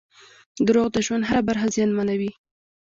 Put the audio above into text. • دروغ د ژوند هره برخه زیانمنوي.